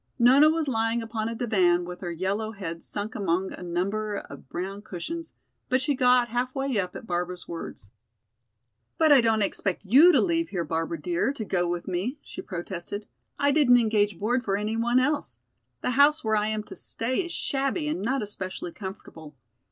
Nona was lying upon a divan with her yellow head sunk among a number of brown cushions, but she got half way up at Barbara's words. "But I don't expect you to leave here, Barbara dear, to go with me," she protested. "I didn't engage board for anyone else. The house where I am to stay is shabby and not especially comfortable.